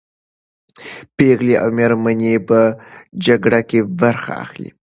پېغلې او مېرمنې په جګړه کې برخه اخلي.